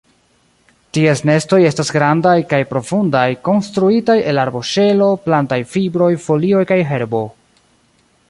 Ties nestoj estas grandaj kaj profundaj, konstruitaj el arboŝelo, plantaj fibroj, folioj kaj herbo.